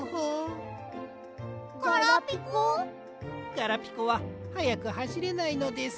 ガラピコははやくはしれないのです。